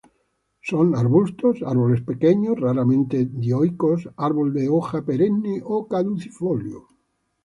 Son arbustos, árboles pequeños, raramente dioicos, árbol de hoja perenne o caducifolio.